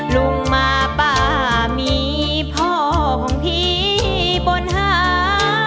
ลุงมาป้ามีพ่อของพี่บนหา